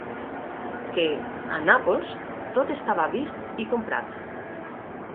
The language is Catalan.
Que, a Nàpols, tot estava vist i comprat.